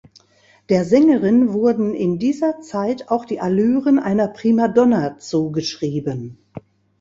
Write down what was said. Der Sängerin wurden in dieser Zeit auch die Allüren einer Primadonna zugeschrieben.